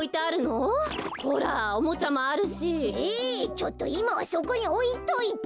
ちょっといまはそこにおいといて。